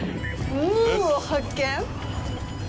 ヌーを発見。